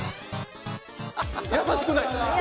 優しくない